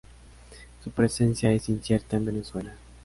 Su presencia es incierta en Venezuela.